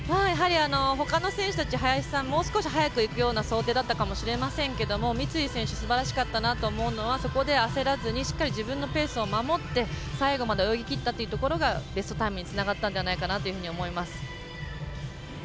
ほかの選手たち林さん、もう少し速くいくような想定だったかもしれませんけど三井選手すばらしかったなと思うのはそこで焦らずに自分のペースを守ってしっかり泳ぎきったのがベストタイムにつながったと思います。